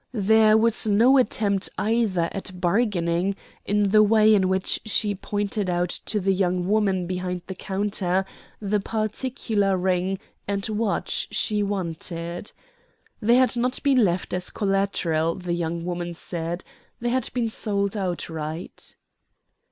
There was no attempt, either, at bargaining in the way in which she pointed out to the young woman behind the counter the particular ring and watch she wanted. They had not been left as collateral, the young woman said; they had been sold outright.